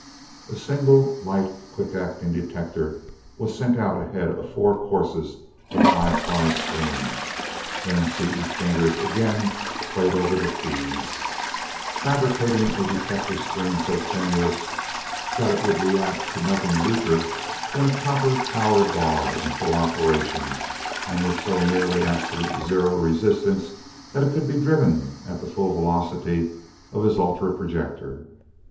A single light, quick acting detector was sent out ahead of four courses of five ply screen, then Seaton's fingers again played over the keys, fabricating a detector screen so tenuous that it would react to nothing weaker than a copper power bar in full operation and with so nearly absolute zero resistance that it could be driven at the full velocity of his ultra projector.